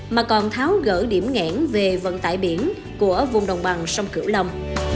mà còn tháo gỡ điểm ngãn về vận tải biển của vùng đồng bằng sông cửu lâm